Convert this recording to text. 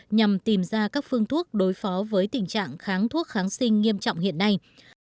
nhằm tìm ra các phương thuốc đối phó với tình trạng kháng thuốc kháng sinh nghiêm trọng hiện nay